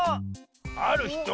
あるひと？